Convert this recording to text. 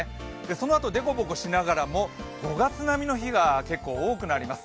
そのあと凸凹しながらも５月並みの日が多くなります。